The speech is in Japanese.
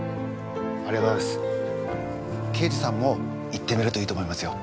けいじさんも行ってみるといいと思いますよ。